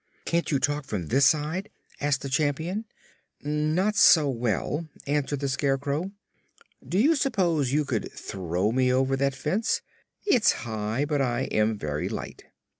"Can't you talk from this side?" asked the Champion. "Not so well," replied the Scarecrow. "Do you suppose you could throw me over that fence? It is high, but I am very light."